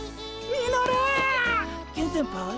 えケン先輩？